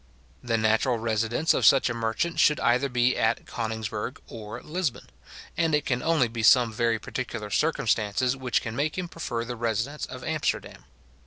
The natural residence of such a merchant should either be at Koningsberg or Lisbon; and it can only be some very particular circumstances which can make him prefer the residence of Amsterdam.